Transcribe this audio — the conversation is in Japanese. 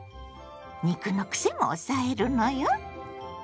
肉のクセも抑えるのよ。